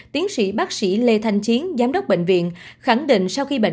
tiến sĩ bác sĩ lê thanh chiến giám đốc bệnh viện khẳng định sau khi bệnh